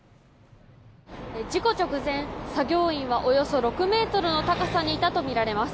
事故直前、作業員はおよそ６ｍの高さにいたとみられます。